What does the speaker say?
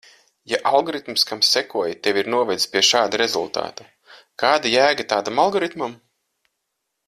Ja algoritms, kam sekoji, tevi ir novedis pie šāda rezultāta, kāda jēga tādam algoritmam?